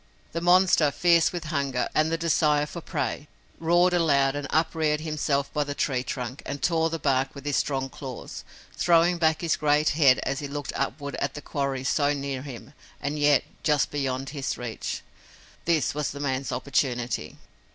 The monster, fierce with hunger and the desire for prey, roared aloud and upreared himself by the tree trunk and tore the bark with his strong claws, throwing back his great head as he looked upward at the quarry so near him and yet just beyond his reach. This was the man's opportunity.